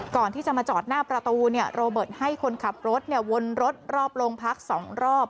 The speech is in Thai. ก่อนที่จะมาจอดหน้าประตูโรเบิร์ตให้คนขับรถวนรถรอบโรงพัก๒รอบ